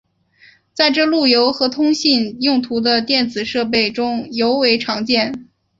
这在路由和通信用途的电子设备中尤为常见。